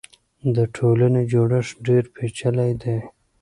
د ټولنې جوړښت ډېر پېچلی دی.